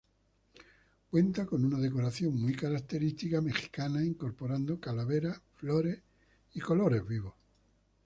Cuenta con una decoración muy característica mexicana incorporando calaveras, flores y colores vivos.